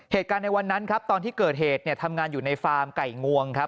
เหตุการณ์ในวันนั้นครับตอนที่เกิดเหตุเนี่ยทำงานอยู่ในฟาร์มไก่งวงครับ